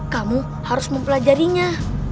kamu harus mempelajarinya